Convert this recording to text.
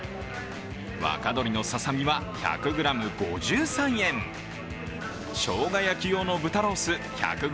若鶏のささ身は１００ｇ５３円しょうが焼き用の豚ロース１００ｇ